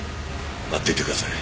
待っていてください。